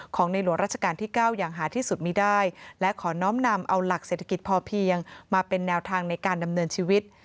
ในหลวงราชการที่๙อย่างหาที่สุดมีได้และขอน้อมนำเอาหลักเศรษฐกิจพอเพียงมาเป็นแนวทางในการดำเนินชีวิต